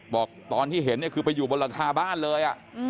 บอกตอนที่เห็นเนี่ยคือไปอยู่บนหลังคาบ้านเลย